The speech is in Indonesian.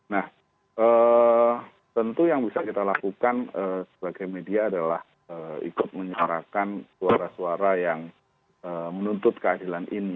nah tentu yang bisa kita lakukan sebagai media adalah ikut menyuarakan suara suara yang menuntut keadilan ini